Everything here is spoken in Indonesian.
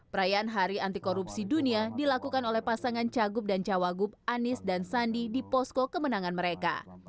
perayaan hari anti korupsi dunia dilakukan oleh pasangan cagup dan cawagup anis dan sandi di posko kemenangan mereka